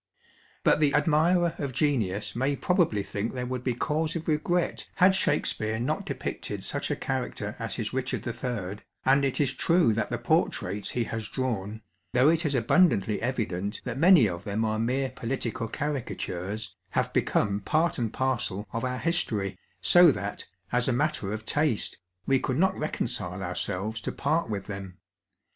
But the admirer of genius may probably think there would be cause of regret had Shakapeare not depicted such a character ^H as his Richard IIL, and it ia true that the portraits he has ^^ drawn, though it is abundantly endent that many of them are mere political caricatures, have become part and parcel of our history, so that, as a matter of taste, we could not reconcile our* selves to part with them.